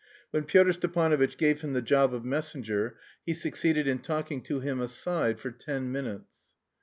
When Pyotr Stepanovitch gave him the job of messenger, he succeeded in talking to him aside for ten minutes.